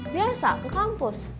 biasa ke kampus